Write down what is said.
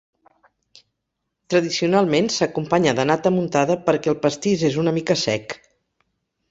Tradicionalment s'acompanya de nata muntada, perquè el pastís és una mica sec.